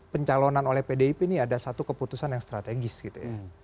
pencalonan oleh pdip ini ada satu keputusan yang strategis gitu ya